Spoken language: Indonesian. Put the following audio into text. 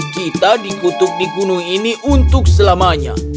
kita dikutuk di gunung ini untuk selamanya